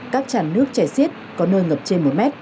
các tràn nước chảy xiết có nơi ngập trên một m